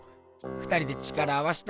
２人で力合わせたら。